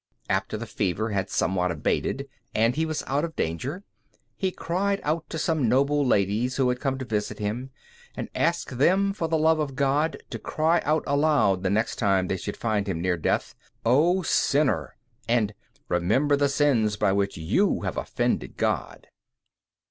After the fever had somewhat abated, and he was out of danger, he cried out to some noble ladies who had come to visit him, and asked them for the love of God, to cry out aloud the next time they should find him near death, "O sinner!" and "Remember the sins by which you have offended God."